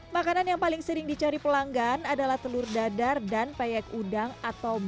makanan yang paling sering dicari pelanggan adalah telur dadar dan peyek udang atau mie